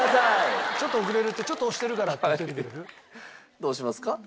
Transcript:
どうしますか？